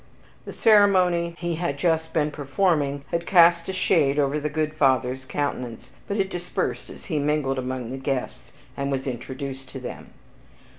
The ceremony he had just been performing had cast a shade over the good Father's countenance, but it dispersed as he mingled among the guests, and was introduced to them.